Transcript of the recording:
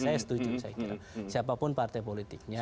saya setuju saya kira siapapun partai politiknya